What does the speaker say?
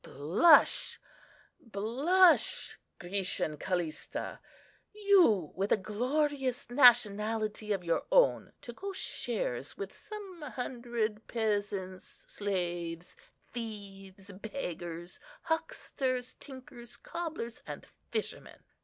Blush, blush, Grecian Callista, you with a glorious nationality of your own to go shares with some hundred peasants, slaves, thieves, beggars, hucksters, tinkers, cobblers, and fishermen!